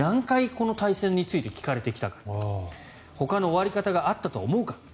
この対戦について聞かれてきたかほかの終わり方があったと思うかい？